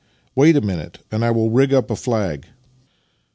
" Wait a moment and I will rig up a flag."